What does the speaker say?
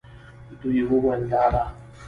دوی وویل دا ده.